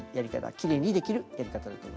きれいにできるやり方だと思います。